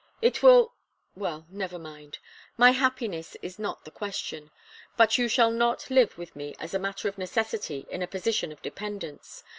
It will well, never mind my happiness is not the question! But you shall not live with me as a matter of necessity in a position of dependence.